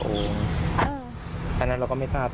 รู้สิคนพี่ว่าเขาไม่ปกติ